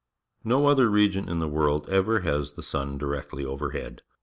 No other region in the world ever has the sun directly overhead.